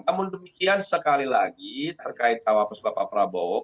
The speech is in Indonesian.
namun demikian sekali lagi terkait sama pesepakaprabohok